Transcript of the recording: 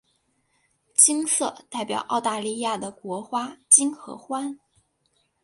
金色代表澳大利亚的国花金合欢。